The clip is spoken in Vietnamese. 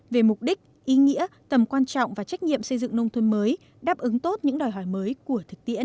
về mục đích ý nghĩa tầm quan trọng và trách nhiệm xây dựng nông thôn mới đáp ứng tốt những đòi hỏi mới của thực tiễn